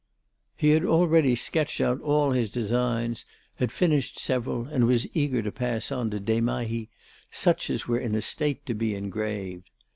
He had already sketched out all his designs, had finished several and was eager to pass on to Desmahis such as were in a state to be engraved.